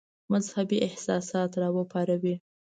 مذهبي احساسات را وپاروي.